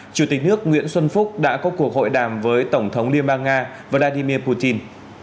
chủ tịch nước nguyễn xuân phúc đã có cuộc hội đàm với tổng thống liên bang nga vladimir putin